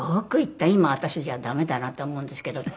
今私じゃ駄目だなと思うんですけど。